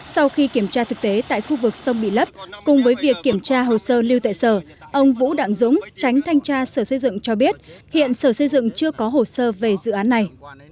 sau khi kiểm tra thực tế tại khu vực sông bị lấp cùng với việc kiểm tra hồ sơ lưu tại sở ông vũ đặng dũng tránh thanh tra sở xây dựng cho biết hiện sở xây dựng chưa có hồ sơ về dự án này